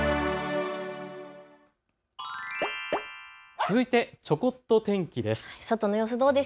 続いてちょこっと天気です。